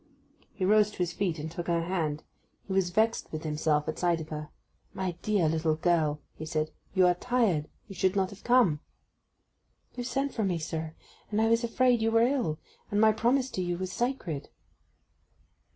He rose to his feet, and took her hand. He was vexed with himself at sight of her. 'My dear little girl!' he said. 'You are tired—you should not have come.' 'You sent for me, sir; and I was afraid you were ill; and my promise to you was sacred.